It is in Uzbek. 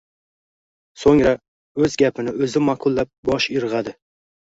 \ So‘ngra, o‘z gapini o‘zi ma’qullab, bosh irg‘adi.